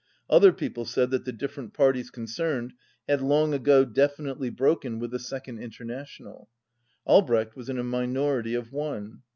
Other people said that the different parties concerned had long ago definitely broken with the Second International. Albrecht was in a minority of one.